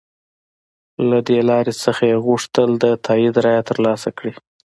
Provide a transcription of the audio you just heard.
له دې لارې څخه یې غوښتل د تایید رایه تر لاسه کړي.